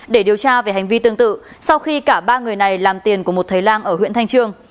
để điều tra về hành vi tương tự sau khi cả ba người này làm tiền của một thầy lang ở huyện thanh trương